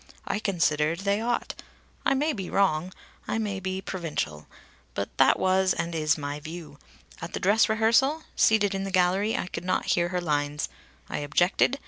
I considered they ought. I may be wrong. I may be provincial. But that was and is my view. At the dress rehearsal, seated in the gallery, I could not hear her lines. I objected.